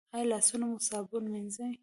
ایا لاسونه مو صابون مینځئ؟